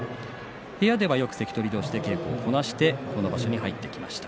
部屋ではよく関取として稽古をこなしてこの場所に入ってきました。